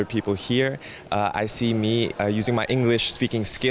aku melihat aku menggunakan kemahiran bahasa inggris aku